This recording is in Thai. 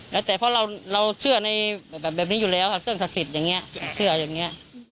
แล้วแต่เพราะเราเชื่อในแบบนี้อยู่แล้วค่ะเรื่องศักดิ์สิทธิ์อย่างนี้เชื่ออย่างนี้